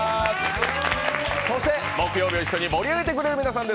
そして木曜日を一緒に盛り上げてくれる皆さんです